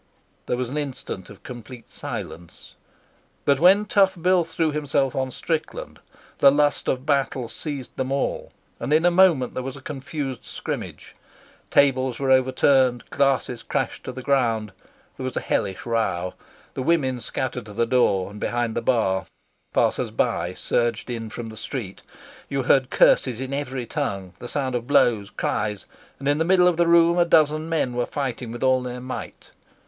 There was an instant of complete silence, but when Tough Bill threw himself on Strickland the lust of battle seized them all, and in a moment there was a confused scrimmage. Tables were overturned, glasses crashed to the ground. There was a hellish row. The women scattered to the door and behind the bar. Passers by surged in from the street. You heard curses in every tongue the sound of blows, cries; and in the middle of the room a dozen men were fighting with all their might.